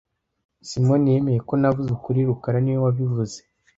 Simoni yemeye ko navuze ukuri rukara niwe wabivuze